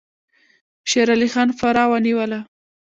شیر علي خان فراه ونیوله.